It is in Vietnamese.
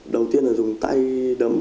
đầu tiên là dùng tay đấm